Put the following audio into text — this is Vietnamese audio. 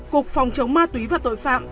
cục phòng chống ma túy và tội phạm